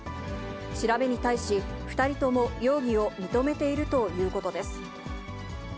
調べに対し、２人とも容疑を認めているということです。